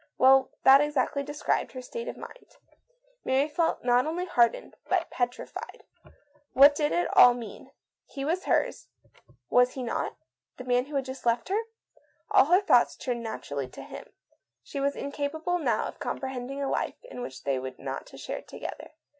Well, that exactly described her state of mind. Mary felt not only hardened, but petrified. What did it mean ? He was here, was he not ; the man who had just left her? All her thoughts turned naturally to him; she was 168 / THE 8T0RT OF A MODERN WOMAN. incapable now of comprehending a life which they were not to share together.